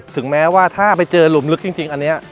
ถึงแม้ว่าถ้าไปเจอหลุมลึกจริงอันนี้